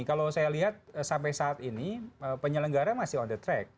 kalau saya lihat sampai saat ini penyelenggara masih on the track